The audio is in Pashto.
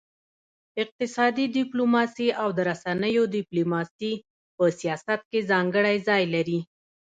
اقتصادي ډيپلوماسي او د رسنيو ډيپلوماسي په سیاست کي ځانګړی ځای لري.